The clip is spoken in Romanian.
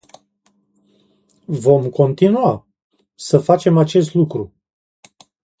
Vom continua să facem acest lucru.